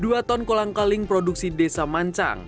dua ton kolang kaling produksi desa mancang